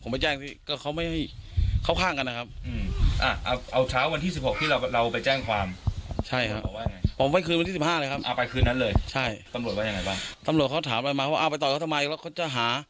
ไม่ดูวงจรภิกที่เราเอาไปให้